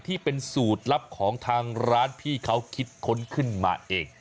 ที่เป็นสูตรลับของทางร้านพี่เขาคิดค้นขึ้นมาเอง